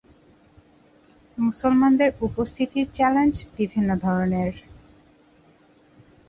মুসলমানদের উপস্থিতির চ্যালেঞ্জ বিভিন্ন ধরণের।